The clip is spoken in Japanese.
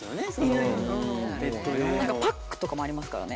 パックとかもありますからね。